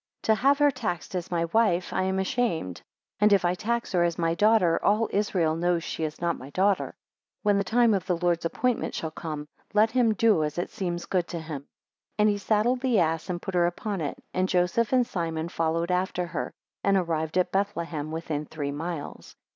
3 To have her taxed as my wife I am ashamed; and if I tax her as my daughter, all Israel knows she is not my daughter. 4 When the time of the Lord's appointment shall come, let him do as seems good to him. 5 And he saddled the ass, and put her upon it, and Joseph and Simon followed after her, and arrived at Bethlehem within three miles.